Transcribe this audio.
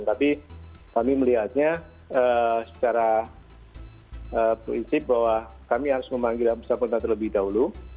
tapi kami melihatnya secara prinsip bahwa kami harus memanggilkan wisatawan terlebih dahulu